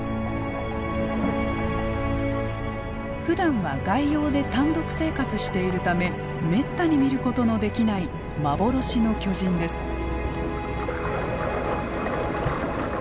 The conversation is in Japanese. ふだんは外洋で単独生活しているためめったに見ることのできない幻の巨人です。